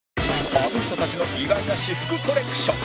あの人たちの意外な私服コレクション